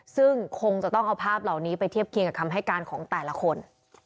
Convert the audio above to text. ซึ่งคงจะต้องเอาภาพเหล่านี้ไปเทียบเคียงกับคำให้การของแต่ละคน